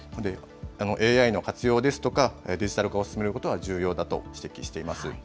ＡＩの活用ですとか、デジタル化を進めることが重要だと指摘しています。